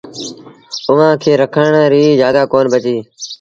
اُئآݩٚ کي رکڻ ريٚ جآڳآ ڪون بچي